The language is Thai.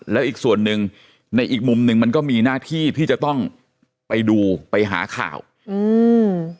แล้วอีกส่วนหนึ่งในอีกมุมหนึ่งมันก็มีหน้าที่ที่จะต้องไปดูไปหาข่าวอืม